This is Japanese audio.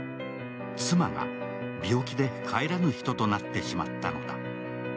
妻が病気で帰らぬ人となってしまったのだ。